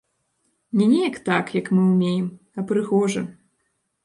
Не неяк так, як мы ўмеем, а прыгожа.